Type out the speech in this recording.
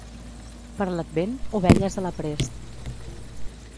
Per l'Advent, ovelles a l'aprest.